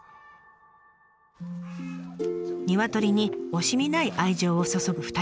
ニワトリに惜しみない愛情を注ぐ２人。